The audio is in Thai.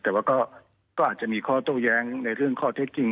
แต่ว่าก็อาจจะมีข้อโต้แย้งในเรื่องข้อเท็จจริง